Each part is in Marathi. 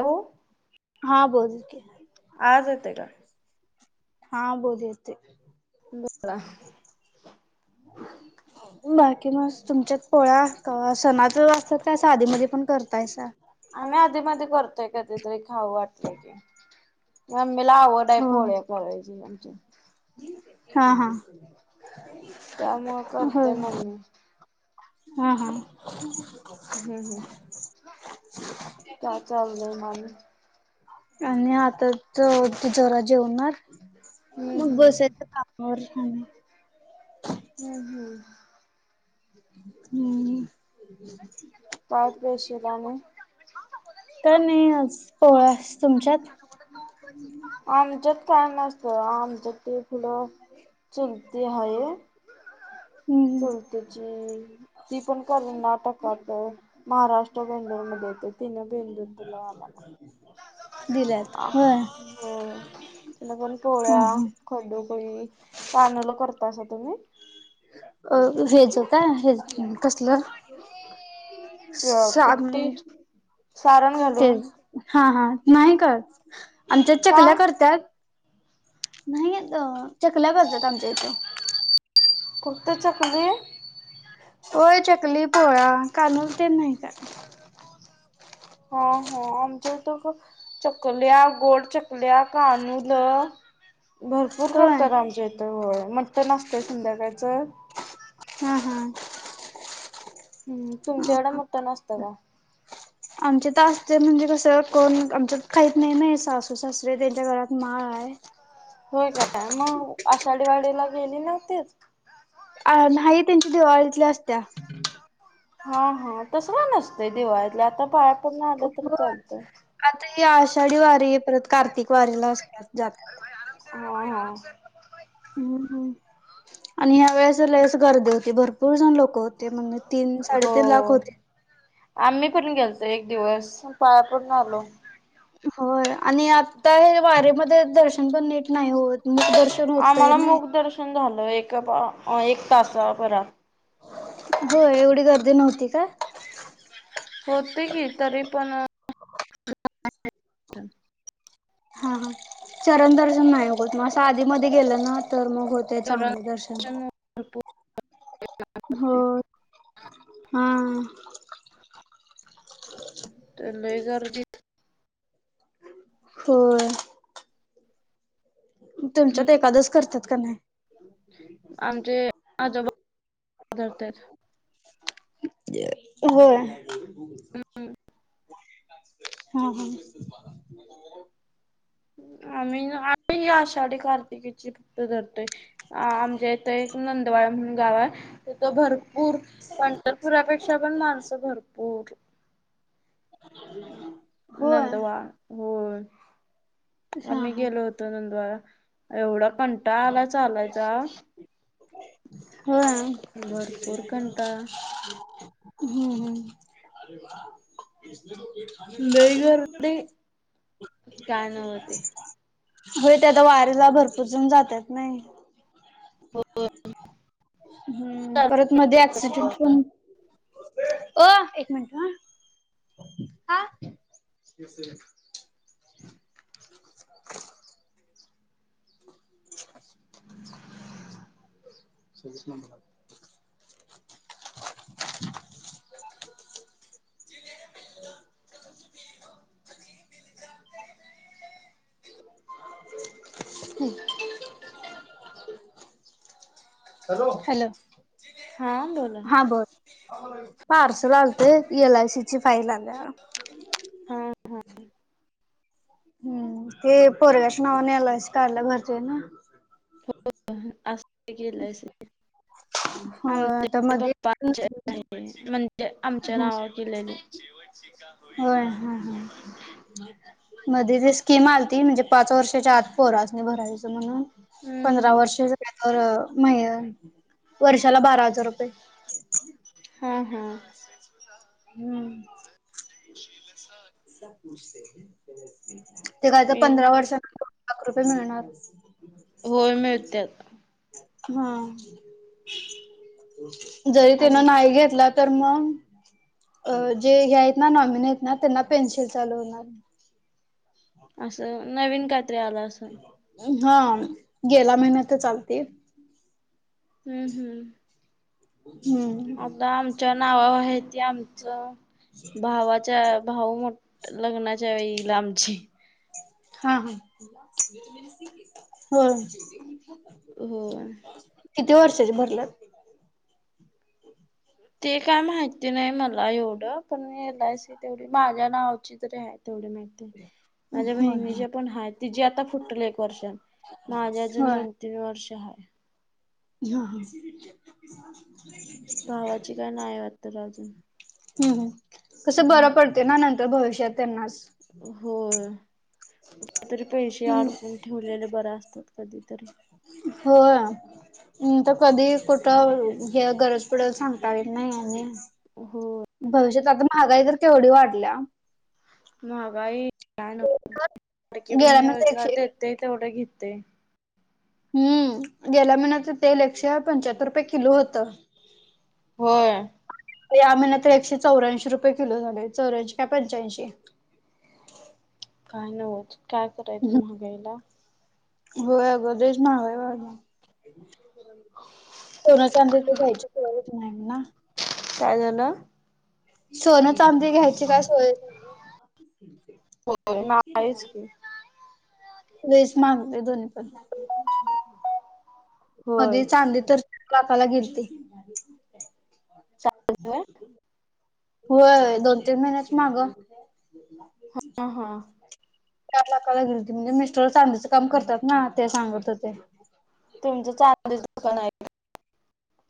हो हा बोल की? आवाज येतोय का? हा बोल येतय. बोला? बाकी मस तुमच्यात पोळ्या कवा सणाच वाजत्यात काय अस आधीमधी पण करतायसा? आम्ही आधी मधी करतोय काधतरी खाऊ वाटलंय की. मम्मीला आवड हाय हो पोळ्या करायची आमच्या. हा हा. त्यामुळ हो करत्या मम्मी. हा हा. हम्म हम, त्याचा अवघड माल ये. आणि आता त ती जरा जेवणार. हम्म मग हम्म. बसायच, कामावर छान. हम्म हम्म. हम्म. काय स्पेशल ये आणि काय नाई आज पोळ्या, तुमच्यात आमच्यात काय नसत. आमच ते फुलं चुलती हाये हम्म चुलतेची ती पण कर्नाटकातये. महाराष्ट्र मुबंई मध्ये येत, तिनं बेंदूर दिलंय आम्हाला दिल्यात आ होय हो, तिनं पण हा पोळ्या हा खडुकळी, कानोल करतासा तुम्ही अ हेज काय हेज कसलं साबनु पिट्टी सारण घालून. हा हा नाही करत. आमच्या का चकल्या करतात. नाहीत. चकल्या करतात आमच्या इथं फक्त चकली होय. चकली, पोळ्या कानोले ते नाही करत. हा हा, आमच्या इथं क चकल्या, गोड चकल्या, कानूल भरपूर होय. करतात आमच्या इथं होय. मटन असतय संध्याकाळच हा हा हम्म, तुमच्याकड मटण असत का? आमच्या इथं असते. म्हणजे कसं कोण आमच्यात खाईत नाय ना, सासू सासरे त्यांच्या गळ्यात माळ हाय. होय काय मग, आषाढीवाडीला गेली नव्हतीत. अ नाही, त्यांच्या दिवाळीतली असत्या हा हा, तस काय नसतंय दिवाळीतल्या, आता पाया पडून आलं तर होय. चालतं. आता ही आषाढी वारी, परत कार्तिक वारीला असत्यात जात्यात. हा हा हूं हूं, आणि वेळेस लयचं अस गर्दी होती. भरपूर जन लोक होते. म्हणे, तीन हो साडे तीन लाख होते. आम्ही पण गेलतो. एक दिवस म पाया पडून आलो. होय. आणि आता हे वारीमध्ये दर्शन पण निट नाही होत. मुख दर्शन होतय नाय पण झालो, एक ब एक तासा भरा होय एवढी गर्दी नव्हती काय होती की, तरी पण हा हा, चरण दर्शन नाय होत. म अस आधी मधी गेलं ना तर मग होत तय. चांगल दर्शन भरपूर होय. हा तर लय गर्दी होय. तुमच्यात एकादश करत्यात का नाय. आमचे आजोबा करत्यात. होय. हा हा आम्ही, आम्ही ही आषाढी कार्तिकीची फक्त धरतोय. अ आमच्या इथं एक नंदवाळ म्हणून गाव हाय. त तो भरपूर पंढरपुरापेक्षा तिथं पण माणसं भरपूर [unintelligible] नंदवा होय, हा आम्ही हा गेलो होतो. नंदवाळा एवढा कंटाळा आला चालायचा होय भरपूर कंटाळा हम्म हम् [inaudible] [unintelligible] लय गर्दी, काय नव्हत होय, ते आता वारीला भरपूर जन जातात ना होय हम्म परत मध्ये ऍक्सिडेंट पण एक मिनिट ह हा [inaudible] सव्वीस नंबर ह हॅलो हा बोला हा बोल पार्सल आलतं एलआयसीची फाईल आल्या हा हा हम्म ते पोरग्याच्या नावाने एलआ सी काढल्या घरच्यांनी असती एलआयसी हो आता हप्ते मध्ये भरते पप्पा म्हणजे आमच्या नावावर दिलेली होय हा हा मध्ये जी स्कीम आलती म्हणजे पाच वर्षाच्या आत पोरासने भरायचं म्हणून हम्म पंधरा हम्म वर्ष झाल्यावर वर्षाला बारा हजार रुपये हा हम हम्म शस [inaudible] ते काहीतरी मी पंधरा वर्षांनी दोन लाख रुपये मिळणार. होय मिळतात. हा. जरी आम तनं नाही घेतला, तर मग जे हेया आहेत ना नॉमिन आहेत पेन्सिल चालू होणार. असं नवीन काहीतरी आल असेल हा गेल्या महिन्यातच आलती. हम्म हम्म हम्म आता आमच्या नावावर आहे ते आमचं भावाच्या भाऊ मोठ लग्नाच्या वेळीला आंमची हा हा, होय हो किती वर्षाचे भरलेत ते काय माहिती नाही मला एवढं पण एलआयसी तेवढी माझ्या नावची तरी आहे तेवढी माहिती होय माझ्या होय बहिणीच्या पण हाय तिजे आता फुटल एक वर्ष माझ्या अजून होय दोन तीन वर्ष आहे. हा हा भावाची काय नाही [unintelligible] अजून. हम्म कसं बरं पडते ना नंतर भविष्यात त्यांनाच. हो कुठं तरी पैसे हम्म अडकून ठेवलेले बरं असतेत कधीतरी. हो. नंतर कधी कुठं हे गरज पडेल सांगता येत नाही आणि हो. भविष्यात तर आता महागाई तर केवढी वाढल्या? महागाई [unintelligible] लाडकी गेल्या बहीण महिन्यात योजना एकशे देते केवढं घेते. हम्म गेल्या महिन्याचं तेल एकशे पंच्याहत्तर रुपये किलो होतं. होय. या महिन्यात तर एकशे चौऱ्यांशी किलो झाले, चौर्यांशी का पंच्यांशी. काय नव्हचं काय करायचं महागाईला? होय अग लयचं महागाई वाढल्या, सोनं, चांदी तर घ्यायचं होतचं नाही ना. काय झालं? सोन चांदी घ्यायची काय सोयचं नाय. हो नाहीच की. लईच महागले दोन्हीपण. होय. मध्ये चांदी तर लाखाला गेलती. व्हय? होय दोन तीन महिन्याचं मागं. हा हा. चार लाखाला गेलती म्हणजे मिस्टर चांदीचं काम करतात ना ते सांगत होते. तुमचं चांदीचं दुकान आहे?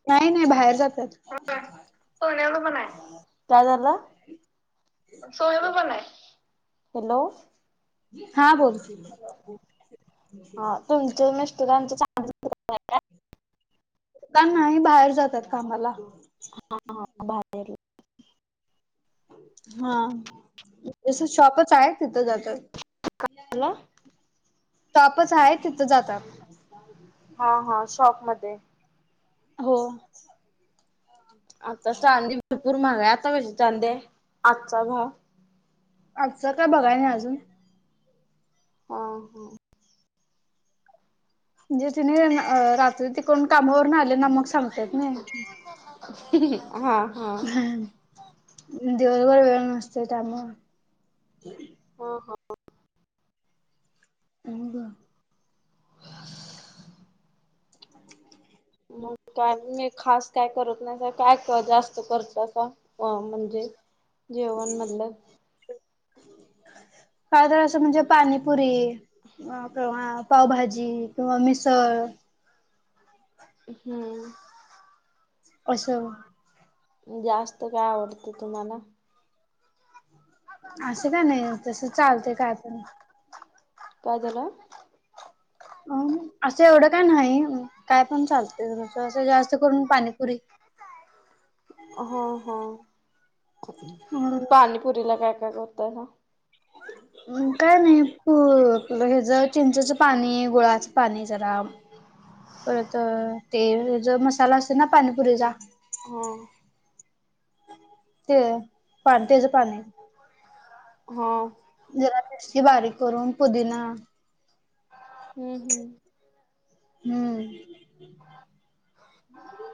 नाही नाही बाहेर जात्यात. हो सोन्याचं पण हाय. काय झालं? सोन्याचं पण हाय. हॅलो. हा बोल हॅलो हा तुमच्या मिस्टरांचं चांदीचं दुकान आहे का? दुकान नाही, बाहेर जातात कामाला. हा हा [unintelligible] हां तसं शॉपच आहे, तिथं जातात. झालं. [unintelligible] शॉपचं आहे तिथं जातात. हा हा शॉपमध्ये. हो. आता चांदी भरपूर महाग आहे. आता कशी चांदिये, आजचा भाव? आजचा काय बघाया नाहि अजून. आ हा. म्हणजे तिने रात्री तिकून कामावरनं आले ना, मग सांगतात ना. हा. हा. दिवसभर वेळ नसते त्यामुळं. हा हा. [unintelligible] [inaudible] मग काय मी खास काय करत नाय, काय जास्त करता का? अं म्हणजे जेवणमधलं? काय तरी असं म्हणजे पाणीपुरी. मग आता हा पावभाजी किंवा मिसळ हम्म असं [inaudible] जास्त काय आवडतं तुम्हाला? असं काय नाही तसं चालतंय काय पण. काय झालं? अं असं एवढं काय नाही. काय पण चालतंय, तुमचं असं जास्त करून पाणीपुरी. [inaudible] हो हो. अ पाणीपुरीला काय काय करताय? अं काय नाही. पू हे ज चिंचेचं पाणी, गुळाचं पाणी जरा परत ते ज मसाला असतो णा पाणीपुरीचा हं. ते पाणी तेज पाणी. हा. जरा मिरची बारीक करून, पुदिना हम् हम्म हम्म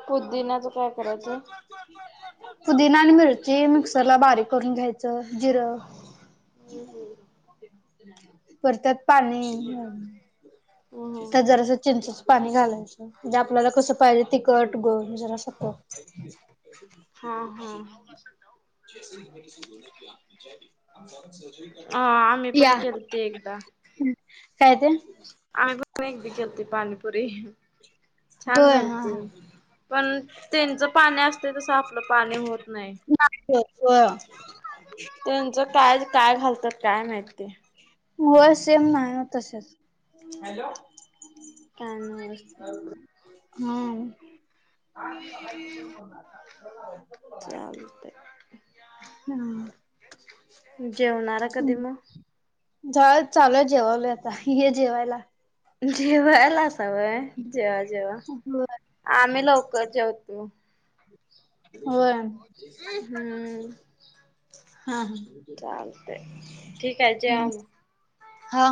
पुद्दिण्याचं काय करायचं? पुदीना आणि मिरची, मिक्सर ला बारीक करून घ्यायचं. जिरं [inaudible] [inaudible] परत त्यात पाणी हम्म [inaudible] त्यात जरासं चिंचेचं पाणी घालायचं. म्हणजे आपल्याला कसं पाहिजे तिखट गोड जरासं [inaudible] हा हा [inaudible] अं आम्ही पण केलते एकदा. हम् काय ते? आम्ही पण एकदी केलती पाणीपुरी. [inaudible] छान होय हा झालती. हा पण त्यांच पाणी असतंय, तसं आपलं पाणी होत नाही. नाही होत. हो. [inaudible] त्यांचं काय काय घालता काय माहित ते? होय सेम नाही ओ तसेच. [inaudible] [inaudible] काय नाही असते हम्म. [inaudible] चालतंय. हा. जेवणारा कधी मग? झा चालू जेवावल आता. ये जेवायला. जेवायला असावय. जेवा, जेवा. होय आम्ही लवकर जेवतो. व्हयं. हम्म. हा [inaudible] चालतंय. ठीक आहे, जेवा हा मग. हा.